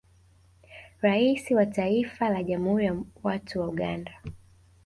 Rais wa Taifa la jamhuri ya watu wa Uganda